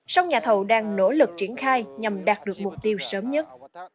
sông nhà thầu đang nỗ lực triển khai nhằm đạt được mục tiêu sớm nhất